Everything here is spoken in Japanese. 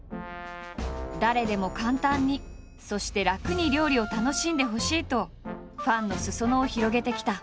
誰でも簡単にそして楽に料理を楽しんでほしいとファンの裾野を広げてきた。